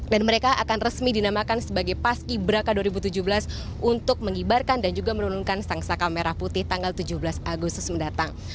dan mereka akan resmi dinamakan sebagai paski braka dua ribu tujuh belas untuk mengibarkan dan juga menurunkan sangsaka merah putih tanggal tujuh belas agustus mendatang